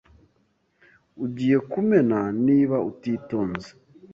Ugiye kumena niba utitonze.